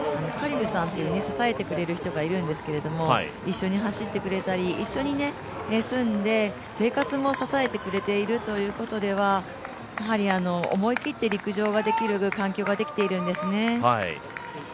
支えてくれる人がいるんですけど一緒に走ってくれたり、一緒に住んで生活も支えてくれているということでは、やはり思い切って陸上ができる環境ができているんですね。